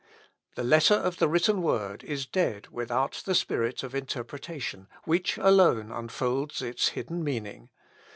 The letter of the written Word is dead without the spirit of interpretation, which alone unfolds its hidden meaning.